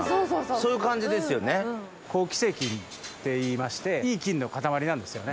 そういう感じですよね。っていいましていい菌の固まりなんですよね。